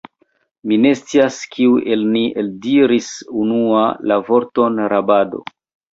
Mi ne scias, kiu el ni eldiris unua la vorton rabado.